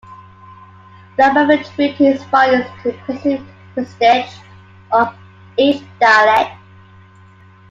Labov attributed his findings to the perceived prestige of each dialect.